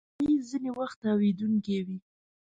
مېز ځینې وخت تاوېدونکی وي.